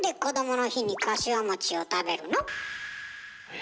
え？